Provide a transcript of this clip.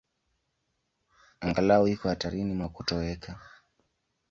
Angalau iko hatarini mwa kutoweka.